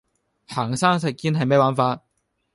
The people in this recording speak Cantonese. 行山食煙係咩玩法?